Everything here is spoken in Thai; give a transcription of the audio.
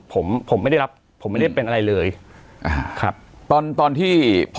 ผมผมไม่ได้รับผมไม่ได้เป็นอะไรเลยอ่าครับตอนตอนที่พอ